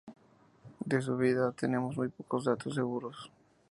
De su vida tenemos muy pocos datos seguros.